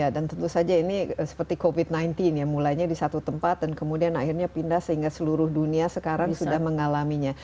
dan tentu saja ini seperti covid sembilan belas mulainya di satu tempat dan kemudian akhirnya pindah sehingga seluruh dunia sekarang sudah mengalaminya